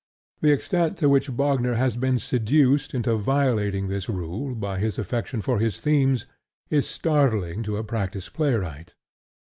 The extent to which Wagner has been seduced into violating this rule by his affection for his themes is startling to a practiced playwright.